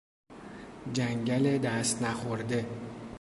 جنگل دست نخورده